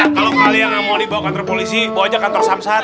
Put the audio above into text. kalau kalian mau dibawa kantor polisi kantor samsat